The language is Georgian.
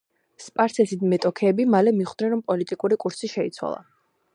სპარსეთის მეტოქეები მალე მიხვდნენ რომ პოლიტიკური კურსი შეიცვალა.